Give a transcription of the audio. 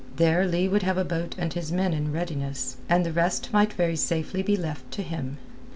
There Leigh would have a boat and his men in readiness, and the rest might very safely be left to him.